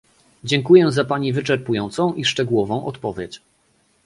Dziękuję za pani wyczerpującą i szczegółową odpowiedź